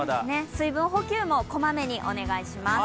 水分補給もこまめにお願いします。